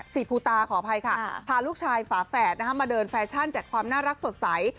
ภูตาขออภัยค่ะพาลูกชายฝาแฝดมาเดินแฟชั่นแจกความน่ารักสดใส